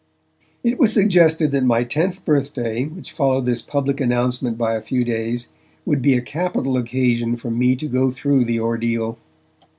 It was suggested that my tenth birthday, which followed this public announcement by a few days, would be a capital occasion for me to go through the ordeal.